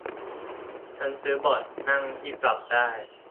ฉันซื้อเบาะนั่งที่ปรับได้